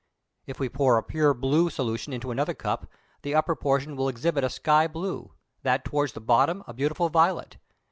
If we pour a pure blue solution into another cup, the upper portion will exhibit a sky blue, that towards the bottom, a beautiful violet.